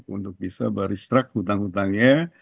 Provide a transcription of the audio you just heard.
untuk bisa beristract hutang hutangnya